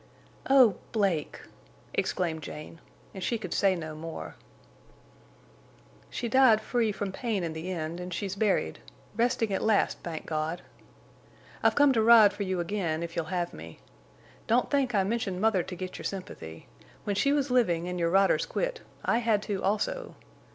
"Oh—Blake!" exclaimed Jane, and she could say no more. "She died free from pain in the end, and she's buried—resting at last, thank God!... I've come to ride for you again, if you'll have me. Don't think I mentioned mother to get your sympathy. When she was living and your riders quit, I had to also.